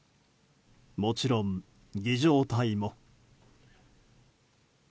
もちろん、儀仗隊も。